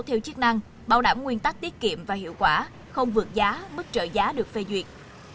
theo chức năng bảo đảm nguyên tắc tiết kiệm và hiệu quả không vượt giá mức trợ giá được phê duyệt